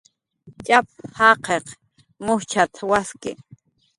"Tx'ap"" jaqiq mujchat"" waski"